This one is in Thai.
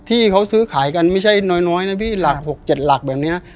ที่เขาซื้อขายกันไม่ใช่น้อยน้อยนะพี่หลักหกเจ็ดหลักแบบเนี้ย